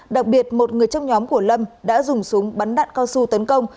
đặc biệt một người trong nhóm của lâm đã dùng súng bắn đạn cao su tấn công